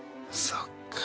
そっか。